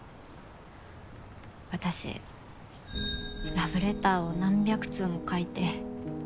私ラブレターを何百通も書いて。